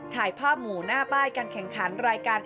ถ่ายภาพหมู่หน้าป้ายการแข่งขันรายการ